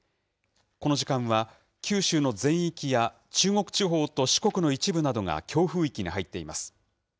この時間は、九州の全域や中国地方と四国の一部などが強風域に入っています。